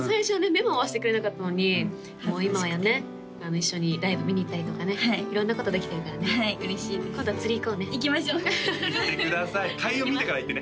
目も合わせてくれなかったのにもう今やね一緒にライブ見に行ったりとかね色んなことできてるからねはい嬉しいです今度釣り行こうね行きましょう行ってください開運見てから行ってね